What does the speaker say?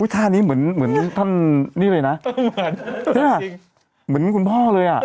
ท่านี้เหมือนเหมือนท่านนี่เลยนะเหมือนคุณพ่อเลยอ่ะ